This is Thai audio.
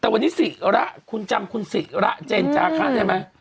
แต่วันนี้ศิระคุณจำคุณศิระเจนจาคะได้ไหม